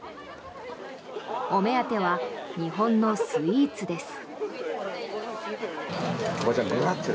お目当ては日本のスイーツです。